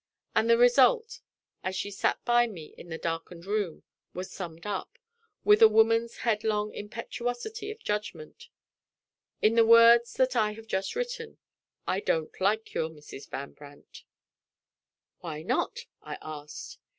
And the result, as she sat by me in the darkened room, was summed up, with a woman's headlong impetuosity of judgment, in the words that I have just written "I don't like your Mrs. Van Brandt!" "Why not?" I asked.